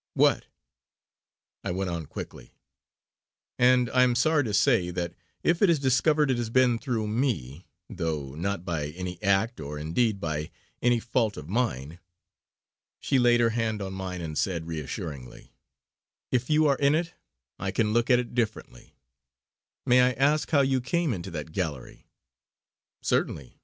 "What!" I went on quickly: "And I am sorry to say that if it is discovered it has been through me; though not by any act or indeed by any fault of mine." She laid her hand on mine and said reassuringly: "If you are in it, I can look at it differently. May I ask how you came into that gallery?" "Certainly!